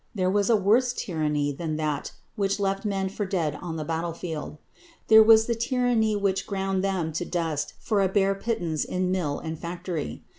There was a worse tyranny than that which left men for dead on the battle field. There was the tyranny which ground them to dust for a bare pittance in mill and factory.